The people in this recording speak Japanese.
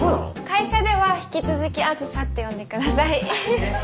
会社では引き続き梓って呼んでくださいえへへっ。